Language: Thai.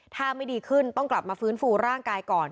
ถ้าไม่ดีขึ้นต้องกลับมาฟื้นฟูร่างกายก่อน